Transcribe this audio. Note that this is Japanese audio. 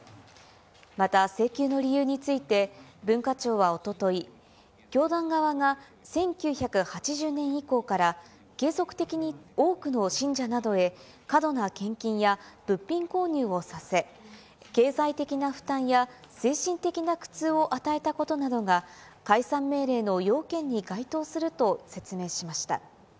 また請求の理由について、文化庁はおととい、教団側が１９８０年以降から、継続的に多くの信者などへ過度な献金や物品購入をさせ、経済的な負担や精神的な苦痛を与えたことなどが、解散命令の要件に該当すると説明しました。